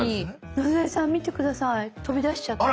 野添さん見て下さい飛び出しちゃった。